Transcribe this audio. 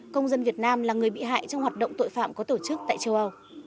công dân việt nam là người bị hại trong hoạt động tội phạm có tổ chức tại châu âu